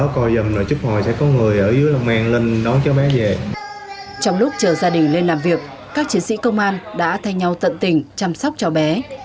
trong lúc chờ gia đình lên làm việc các chiến sĩ công an đã thay nhau tận tình chăm sóc cháu bé